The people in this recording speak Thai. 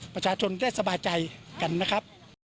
ประชาชนได้สบายใจกันนะครับ